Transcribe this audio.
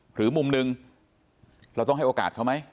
หรือมุมหนึ่งเราต้องให้โอกาสเขาไหม